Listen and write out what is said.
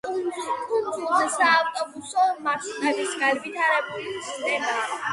კუნძულზე საავტობუსო მარშრუტების განვითარებული სისტემაა.